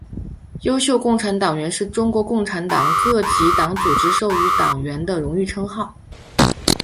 优秀共产党员是中国共产党各级党组织授予党员的荣誉称号。